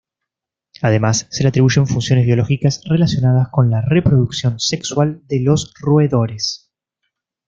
Además se le atribuyen funciones biológicas relacionadas con la reproducción sexual de los roedores.